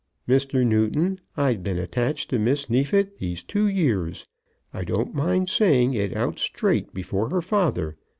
Mr. Newton, I've been attached to Miss Neefit these two years. I don't mind saying it out straight before her father.